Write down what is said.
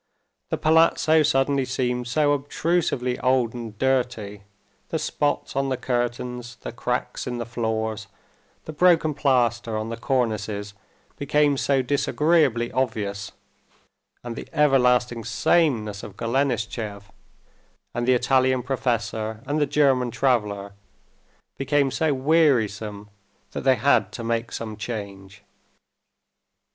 The palazzo suddenly seemed so obtrusively old and dirty, the spots on the curtains, the cracks in the floors, the broken plaster on the cornices became so disagreeably obvious, and the everlasting sameness of Golenishtchev, and the Italian professor and the German traveler became so wearisome, that they had to make some change.